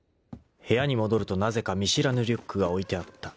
［部屋に戻るとなぜか見知らぬリュックが置いてあった］